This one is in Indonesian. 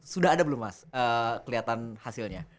sudah ada belum mas kelihatan hasilnya